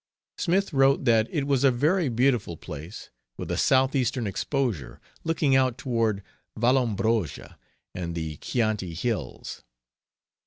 Smith wrote that it was a very beautiful place with a south eastern exposure, looking out toward Valombrosa and the Chianti Hills.